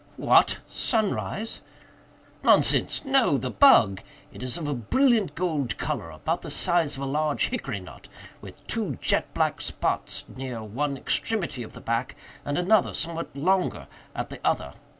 "What?—sunrise?" "Nonsense! no!—the bug. It is of a brilliant gold color—about the size of a large hickory nut—with two jet black spots near one extremity of the back, and another, somewhat longer, at the other.